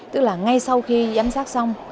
tức là ngay sau khi giám sát xong